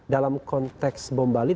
dalam konteks bombali